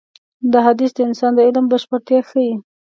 دا حديث د انسان د علم بشپړتيا ښيي.